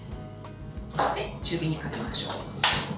そして、中火にかけましょう。